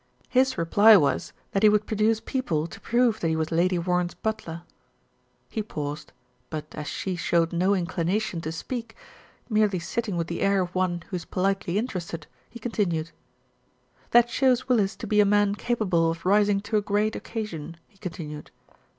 His reply was that he would produce people to prove that he was Lady Warren's butler." He paused; but as she showed no inclination to speak, merely sitting with the air of one who is politely interested, he continued. u That shows Willis to be a man capable of rising to a great occasion," he continued.